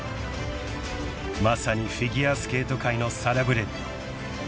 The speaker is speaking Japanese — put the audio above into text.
［まさにフィギュアスケート界のサラブレッド］